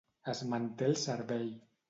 Es manté el servei.